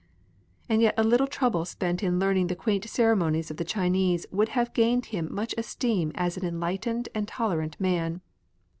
And yet a little trouble spent in learning the quaint ceremonies of the Chinese would have gained him much esteem as an enlightened and tolerant man.